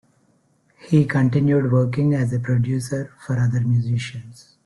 He continued working as a producer for other musicians.